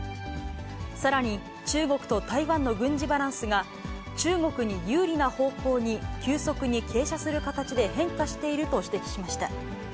さらに、中国と台湾の軍事バランスが、中国に有利な方向に、急速に傾斜する形で変化していると指摘しました。